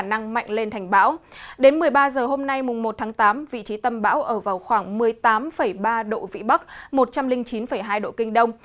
đến một mươi ba h hôm nay mùng một tháng tám vị trí tâm bão ở vào khoảng một mươi tám ba độ vĩ bắc một trăm linh chín hai độ kinh đông